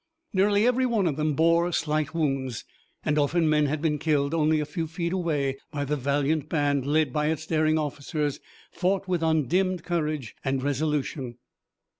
Nearly every one of them bore slight wounds, and often men had been killed only a few feet away, but the valiant band, led by its daring officers, fought with undimmed courage and resolution.